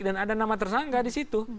dan ada nama tersangka disitu